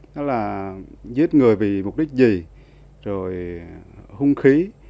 nó là giết người vì mục đích gì rồi hung khí